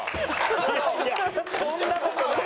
いやいやそんな事ない。